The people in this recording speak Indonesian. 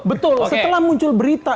betul setelah muncul berita